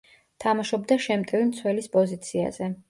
თამაშობდა შემტევი მცველის პოზიციაზე.